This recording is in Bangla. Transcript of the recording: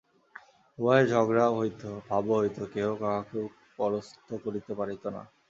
উভয়ে ঝগড়াও হইত, ভাবও হইত, কেহ কাহাকেও পরাস্ত করিতে পারিত না।